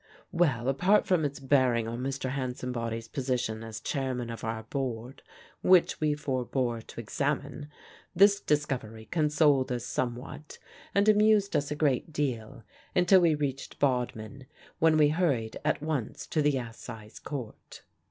Well, apart from its bearing on Mr. Hansombody's position as Chairman of our Board (which we forbore to examine), this discovery consoled us somewhat and amused us a great deal until we reached Bodmin, when we hurried at once to the Assize Court.